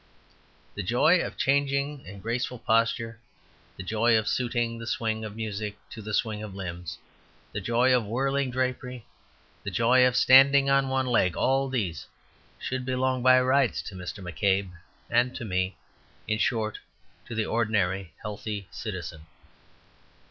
The joy of changing and graceful posture, the joy of suiting the swing of music to the swing of limbs, the joy of whirling drapery, the joy of standing on one leg, all these should belong by rights to Mr. McCabe and to me; in short, to the ordinary healthy citizen.